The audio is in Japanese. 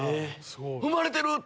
生まれてる！